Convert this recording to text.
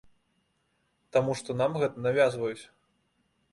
Таму што нам гэта навязваюць.